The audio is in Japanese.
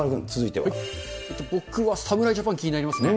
僕は侍ジャパン、気になりますね。